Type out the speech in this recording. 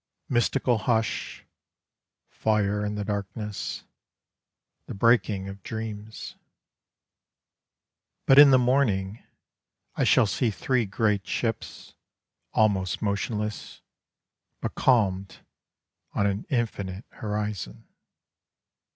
Mystical hush, Fire in the darkness; The breaking of dreams. But in the morning I shall see three great Almost motionless Becalmed on an infinite horizon.